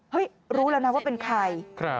รู้แล้วนะว่าเป็นใคร